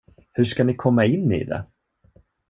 Hur ska ni komma in i det?